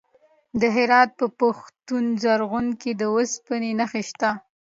د هرات په پښتون زرغون کې د وسپنې نښې شته.